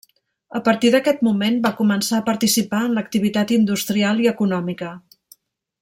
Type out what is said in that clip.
A partir d'aquest moment va començar a participar en l'activitat industrial i econòmica.